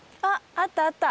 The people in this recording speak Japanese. あったあった。